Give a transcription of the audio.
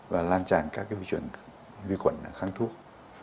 và lan tràn các cái vi khuẩn kháng thuốc